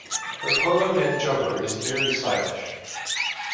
Her polo neck jumper is very stylish